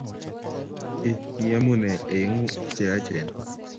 Ee, mi amune aeng'u che eechen.